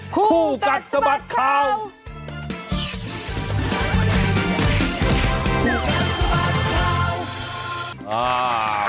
คู่กัดสมัครข่าวคู่กัดสมัครข่าวคู่กัดสมัครข่าว